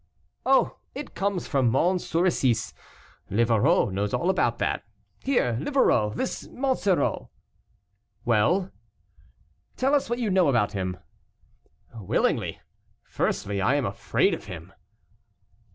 "Oh! it comes from Mons Soricis; Livarot knows all about that. Here, Livarot; this Monsoreau " "Well." "Tell us what you know about him " "Willingly. Firstly, I am afraid of him."